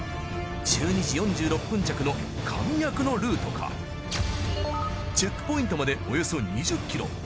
１２時４６分着の上夜久野ルートかチェックポイントまでおよそ２０ｋｍ。